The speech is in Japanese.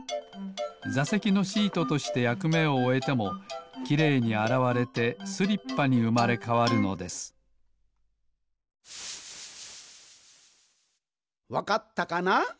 ざせきのシートとしてやくめをおえてもきれいにあらわれてスリッパにうまれかわるのですわかったかな？